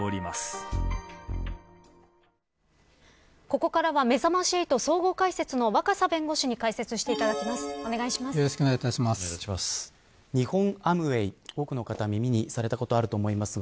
ここからはめざまし８総合解説の若狭弁護士に解説していただきます。